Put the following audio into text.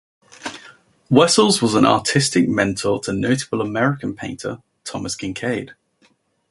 Wessels was an artistic mentor to notable American painter Thomas Kinkade.